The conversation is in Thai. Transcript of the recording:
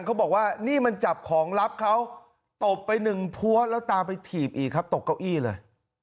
เขาบอกว่านี่มันจับของลับเขาตบไปหนึ่งพัวแล้วตามไปถีบอีกครับตกเก้าอี้เลย